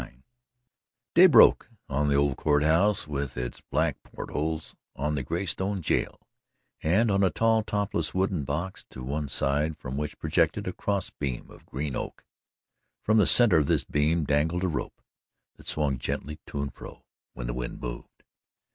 XXIX Day broke on the old Court House with its black port holes, on the graystone jail, and on a tall topless wooden box to one side, from which projected a cross beam of green oak. From the centre of this beam dangled a rope that swung gently to and fro when the wind moved.